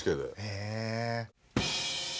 へえ。